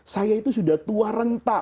saya itu sudah tua rentak